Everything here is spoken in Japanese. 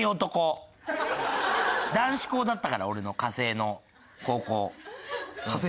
男子校だったから俺の火星の高校。